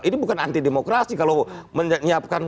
ini bukan anti demokrasi kalau menyiapkan